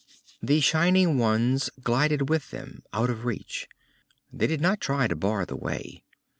The shining ones glided with them, out of reach. They did not try to bar the way.